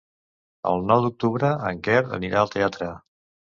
El nou d'octubre en Quer anirà al teatre.